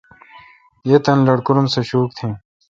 یی تانی لٹکورو ام سہ شوک تیں۔